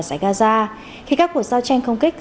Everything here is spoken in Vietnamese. xã gaza khi các cuộc giao tranh công kích